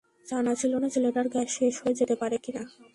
জানা ছিল না ছেলেটার গ্যাস শেষ হয়ে যেতে পারে কিনা।